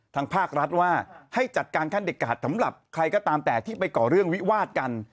ทางภาครัฐว่าให้จัดการขั้นเด็ดขาดสำหรับใครก็ตามแต่ที่ไปก่อเรื่องวิวาดกัน